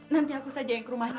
nanti aku saja yang ke rumahnya